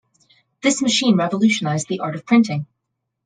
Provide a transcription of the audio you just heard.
This machine revolutionized the art of printing.